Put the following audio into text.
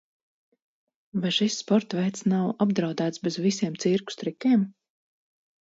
Vai šis sporta veids nav apdraudēts bez visiem cirkus trikiem?